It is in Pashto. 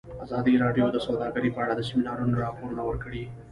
ازادي راډیو د سوداګري په اړه د سیمینارونو راپورونه ورکړي.